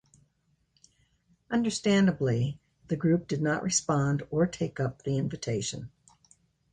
Understandably, the group did not respond or take up the invitation.